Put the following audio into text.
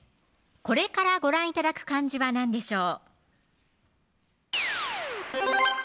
これからご覧頂く漢字は何でしょう